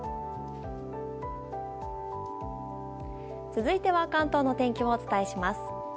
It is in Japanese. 続いては関東の天気をお伝えします。